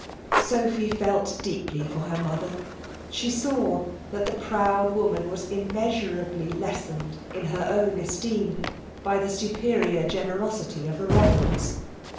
Sophy felt deepl J for lier mother. She saw ^^ the proud woman ivas immeasurablj les sened in h«r own esteem 1>y the superior gene rosity of the Botherliams.